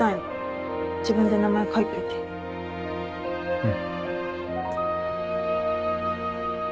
うん。